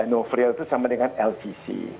no frill itu sama dengan lcc